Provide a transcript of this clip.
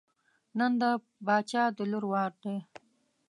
نن د باچا د لور وار دی.